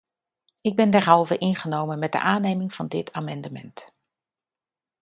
Ik ben derhalve ingenomen met de aanneming van dit amendement.